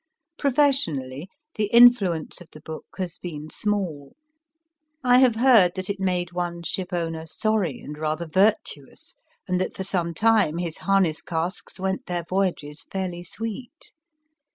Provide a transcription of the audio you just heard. Professionally, the influence of the book has been small. I have heard that it made one ship owner sorry and rather virtuous, and that for some time his harness casks went their voyages fairly sweet.